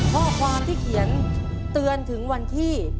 ข้อความที่เขียนเตือนถึงวันที่